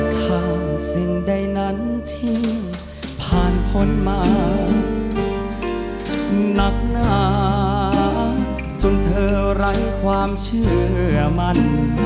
ถ้าสิ่งใดนั้นที่ผ่านพ้นมาหนักหนาจนเธอไร้ความเชื่อมัน